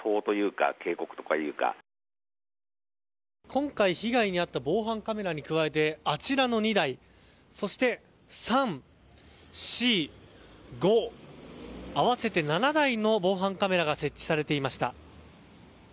今回被害に遭った防犯カメラに加えてあちらの２台そして３、４、５合わせて７台の防犯カメラが設置されていました。